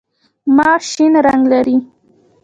ماش شین رنګ لري.